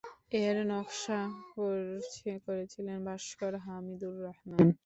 এর নকশা করেছিলেন ভাস্কর হামিদুর রহমান।